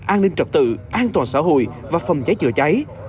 an ninh trật tự an toàn xã hội và phòng cháy chữa cháy